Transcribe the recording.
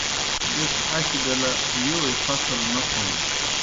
بیْس اش بیلہ یوئے فصل نہ تھوݨَس۔